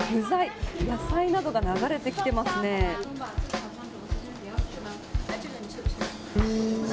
レーンに今、具材野菜などが流れてきていますね。